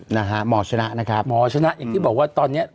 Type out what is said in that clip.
นะฮะหมอชนะนะครับหมอชนะอย่างที่บอกว่าตอนนี้